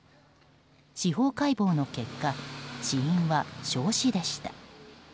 司法解剖の結果死因は焼死でした。